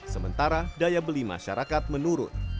sementara daya beli masyarakat menurun